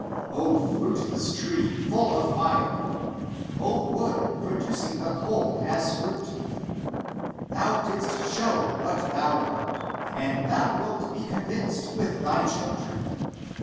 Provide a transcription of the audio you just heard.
O fruitless tree, full of fire! O wood, producing the coal as fruit ! Thou didst show what thou art, and thou wilt be convinced with thy children.